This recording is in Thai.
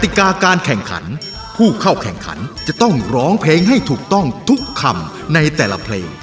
ติกาการแข่งขันผู้เข้าแข่งขันจะต้องร้องเพลงให้ถูกต้องทุกคำในแต่ละเพลง